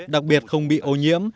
đặc biệt không bị ô nhiễm